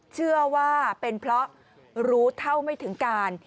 เชื่อว่าเป็นเพราะรู้เท่าไม่ถึงการ